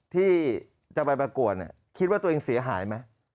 ที่จะไปประกวดคิดว่าตัวเองเสียหายไหม